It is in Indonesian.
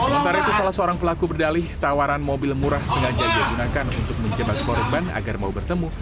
sementara itu salah seorang pelaku berdalih tawaran mobil murah sengaja ia gunakan untuk menjebak korban agar mau bertemu